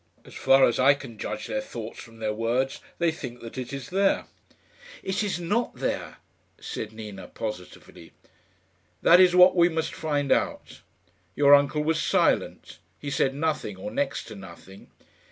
As far as I can judge their thoughts from their words, they think that it is there." "It is not there," said Nina, positively. "That is what we must find out. Your uncle was silent. He said nothing, or next to nothing."